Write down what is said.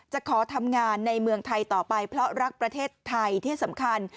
จะขอทำงานในเมืองไทยต่อไปเพราะรักประเทศไทยที่สำคัญ